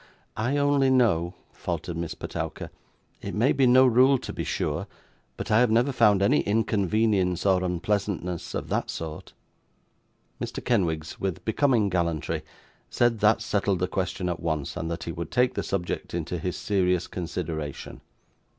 'I only know ' faltered Miss Petowker, 'it may be no rule to be sure but I have never found any inconvenience or unpleasantness of that sort.' Mr. Kenwigs, with becoming gallantry, said that settled the question at once, and that he would take the subject into his serious consideration.